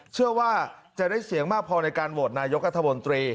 เชื่อว่าจะได้เสียงมากพอในการโหวตนายกัธมนตรี